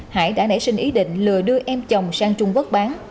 hải đã nảy sinh ý định lừa đưa em chồng sang trung quốc bán